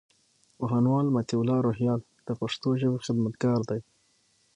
پوهنوال مطيع الله روهيال د پښتو ژبي خدمتګار دئ.